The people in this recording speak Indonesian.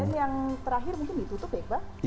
dan yang terakhir mungkin ditutup ya iqbal